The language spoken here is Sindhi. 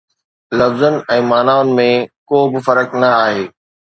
لفظن ۽ معنائن ۾ ڪو به فرق نه آهي